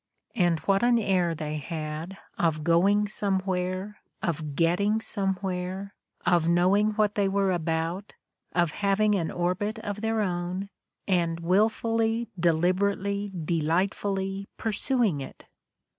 And what an air they had of going somewhere, of getting somewhere, of knowing what they were about, of having an orbit of their own and wilfully, deliberately, delightfully pursuing it!